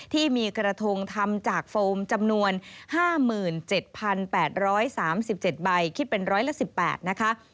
ที่มีกระทงทำจากโฟมจำนวน๕๗๘๓๗ใบคิดเป็นร้อยละ๑๘นะคะ